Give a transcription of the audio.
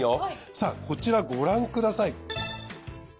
さあこちらご覧ください。